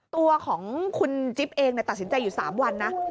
ตัวของคุณจิ๊บเองตัดสินใจอยู่๓วันนะ